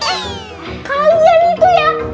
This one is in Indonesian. eh kalian itu ya